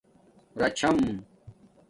راچھم